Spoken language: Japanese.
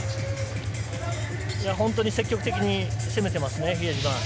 本当に積極的に攻めてますね。